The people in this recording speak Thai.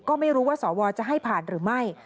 ก็ไม่รู้ว่าสวจะให้ผ่านหรือไม่